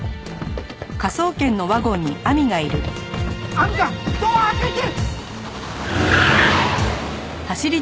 亜美ちゃんドア開けて！